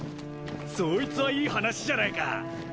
そいつはいい話じゃないか。